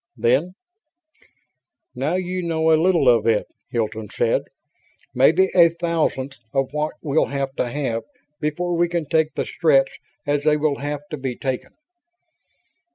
Then: "Now you know a little of it," Hilton said. "Maybe a thousandth of what we'll have to have before we can take the Stretts as they will have to be taken."